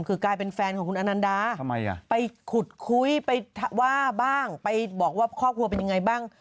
คือกลายเป็นแฟนของคุณอนันดาไปขุดคุยไปว่าบ้างไปบอกว่าครอบครัวเป็นยังไงบ้าง